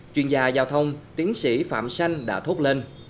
chuyên gia giao thông tiến sĩ phạm xanh đã thốt lên